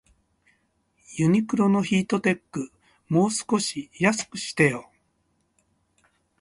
ユニクロのヒートテック、もう少し安くしてよ